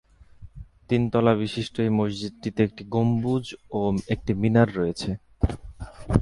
তিন তলা বিশিষ্ট এই মসজিদটিতে একটি গম্বুজ ও একটি মিনার রয়েছে।